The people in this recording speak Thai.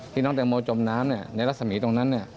น้องแตงโมจมน้ำในรัศมีตรงนั้น